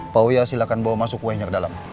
pak wia silakan bawa masuk kuenya ke dalam